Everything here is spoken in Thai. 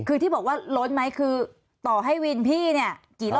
คือที่บอกว่าล้นไหมคือต่อให้วินพี่นี่